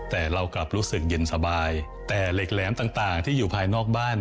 แต่เรากลับรู้สึกเย็นสบายแต่เหล็กแหลมต่างที่อยู่ภายนอกบ้าน